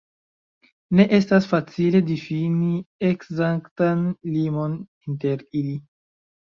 Ne estas facile difini ekzaktan limon inter ili.